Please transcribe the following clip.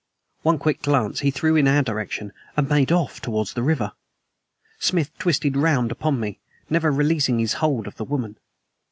One quick glance he threw in our direction, and made off towards the river. Smith twisted round upon me, never releasing his hold of the woman.